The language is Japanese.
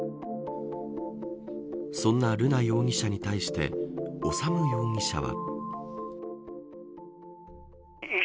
そんな瑠奈容疑者に対して修容疑者は。